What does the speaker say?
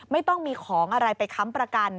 ไม่ต้องมีของอะไรไปค้ำประกัน